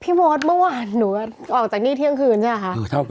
พี่โบ๊ทเมื่อวานออกจากนี่เที่ยงคืนใช่ไหมคะ